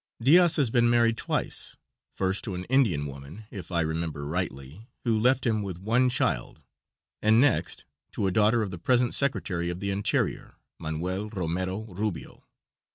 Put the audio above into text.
Diaz has been married twice first to an Indian woman, if I remember rightly, who left him with one child, and next to a daughter of the present Secretary of the Interior, Manuel Romero Rubio.